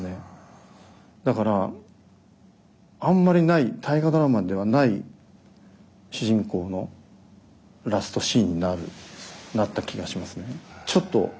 だからあんまりない「大河ドラマ」ではない主人公のラストシーンになるなった気がしますね。